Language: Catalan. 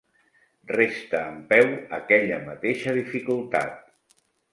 Resta en peu aquella mateixa dificultat.